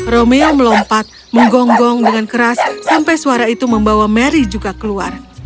rome melompat menggonggong dengan keras sampai suara itu membawa mary juga keluar